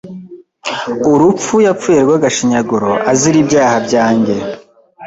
urupfu yapfuye rw’agashinyaguro azira “ibyaha byanjye”.